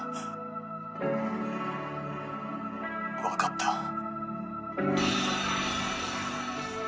「わかった」。